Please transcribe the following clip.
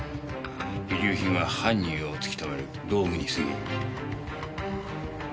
遺留品は犯人を突きとめる道具にすぎん。